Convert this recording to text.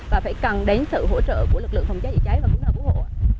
và phải cần đến sự hỗ trợ của lực lượng phòng cháy chữa cháy và cứu nạn cứu hộ